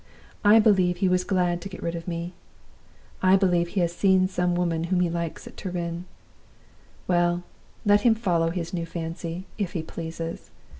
I believe he was glad to get rid of me. I believe he has seen some woman whom he likes at Turin. Well, let him follow his new fancy, if he pleases!